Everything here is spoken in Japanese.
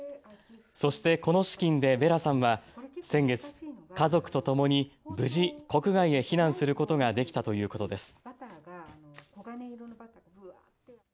そしてこの資金でヴェラさんは先月、家族とともに無事国外へ避難することができたということです。